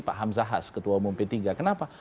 pak hamzahas ketua umum p tiga kenapa